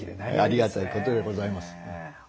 ありがたいことでございます。